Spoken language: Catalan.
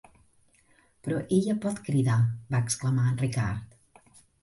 "Però ella pot cridar", va exclamar en Ricard.